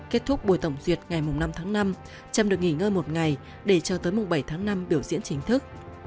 kết thúc buổi tổng duyệt ngày năm tháng năm trâm được nghỉ ngơi một ngày để cho tới bảy tháng năm biểu diễn chính thức